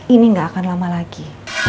ini gak akan lama lagi